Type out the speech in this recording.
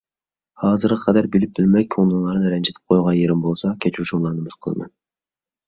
ھازىرغا قەدەر بىلىپ بىلمەي كۆڭلۈڭلارنى رەنجىتىپ قويغان يېرىم بولسا كەچۈرۈشۈڭلارنى ئۈمىد قىلىمەن.